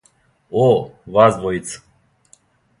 О, вас двојица.